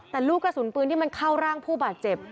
แต่ลูกกระสุนปืนที่มันเข้าร่างผู้บาดเจ็บ